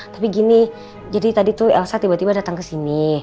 tapi gini jadi tadi tuh elsa tiba tiba datang ke sini